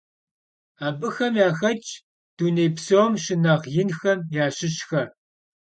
Abıxem yaxetş dunêy psom şınexh yinxem yaşışxer.